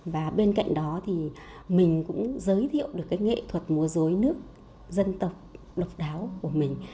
và bên cạnh đó thì mình cũng giới thiệu được cái nghệ thuật múa dối nước dân tộc độc đáo của mình